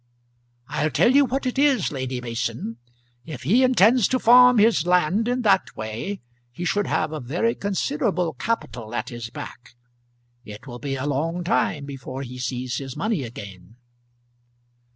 I'll tell you what it is, Lady Mason; if he intends to farm his land in that way, he should have a very considerable capital at his back. It will be a long time before he sees his money again."